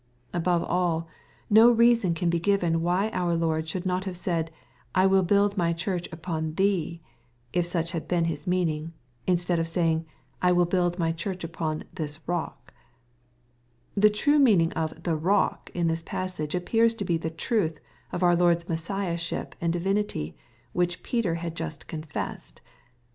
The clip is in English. Above all, no redson can be given why our Lord should not have said, " I will build my church upon thee^" — if such hjwi been His meaning, — ^instead of saying, " I will build my church upon this rock" The true meaning of " the rock" in this passage ap pears to be the truth of our Lord's Messiahship and divin ity, which Peter had just confessed.